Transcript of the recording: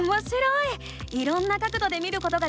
いろんな角どで見ることができるんだね！